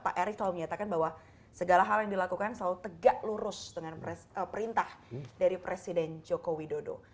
pak erick selalu menyatakan bahwa segala hal yang dilakukan selalu tegak lurus dengan perintah dari presiden joko widodo